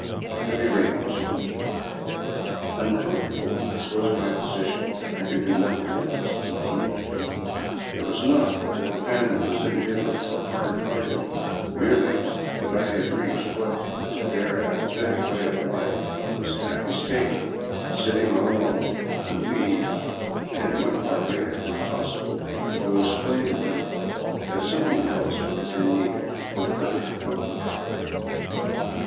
A heavy rain was falling. Uncomfort able as was my position, I could do nothing else than keep it. It was not that the family was indifferent or hard hearted, merely that I had reached what, to their apathetic way of life, was a happy state, — sitting on a log under the eaves, and it would hardly have been possible to explain to them that something else would have been needed for per fect comfort.